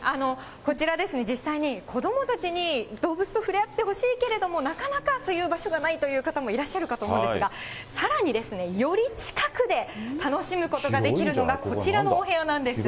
こちらですね、実際に子どもたちに動物と触れ合ってほしいけれども、なかなかそういう場所がないという方もいらっしゃるかと思うんですが、さらにより近くで楽しむことができるのが、こちらのお部屋なんです。